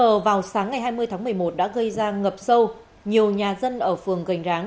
mưa lớn bất ngờ vào sáng ngày hai mươi tháng một mươi một đã gây ra ngập sâu nhiều nhà dân ở phường gành ráng